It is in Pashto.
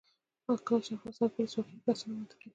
کله چې افغانستان کې ولسواکي وي بحثونه منطقي وي.